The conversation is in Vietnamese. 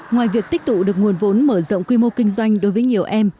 ngoài việc tích tụ được nguồn vốn mở rộng quy mô kinh doanh đối với nhiều em